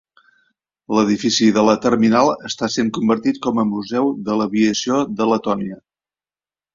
L'edifici de la terminal està sent convertit com a museu de l'aviació de Letònia.